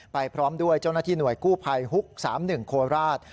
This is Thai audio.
พร้อมด้วยเจ้าหน้าที่หน่วยกู้ภัยฮุก๓๑โคราช